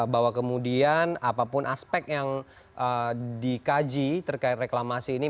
bahwa kemudian apapun aspek yang dikaji terkait reklamasi ini